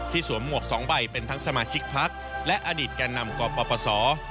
ที่สวมมวกสองใบเป็นทั้งสมาชิกพักรัชฌาธิการและอดิตการนำกปส